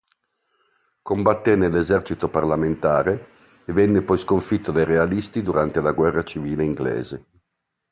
Combatté nell'esercito parlamentare e venne poi sconfitto dai realisti durante la Guerra civile inglese.